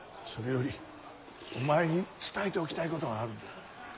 それよりお前に伝えておきたいことがあるんだ。